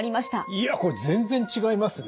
いやこれ全然違いますね。